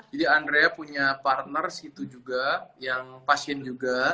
jadi andria punya partner situ juga yang pasien juga